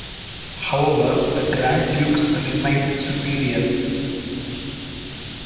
However, the Grand Dukes remained superior.